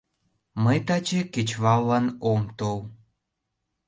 — Мый таче кечываллан ом тол.